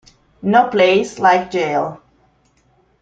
No Place Like Jail